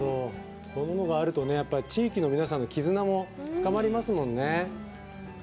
こういうのがあると地域の皆さんの絆も深まりますもんね。